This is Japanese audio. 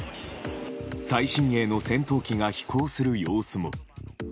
最新鋭の戦闘機が飛行する様子も。